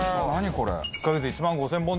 これ。